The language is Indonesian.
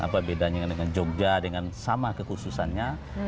apa bedanya dengan jogja dengan sama kekhususannya